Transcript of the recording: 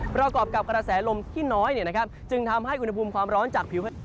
ประกอบกับกระแสลมที่น้อยจึงทำให้อุณหภูมิความร้อนจากผิว